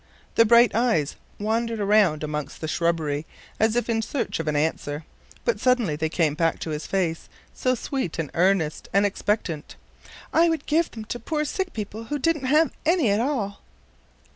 The bright eyes wandered around amongst the shrubbery as if in search of an answer, but suddenly they came back to his face, so sweet and earnest and expectant. "I would give them to poor sick people who didn't have any at all."